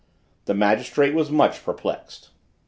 The magistrate was much perplexed.